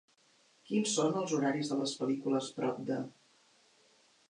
Quins són els horaris de les pel·lícules prop de